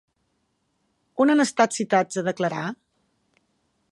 On han estat citats a declarar?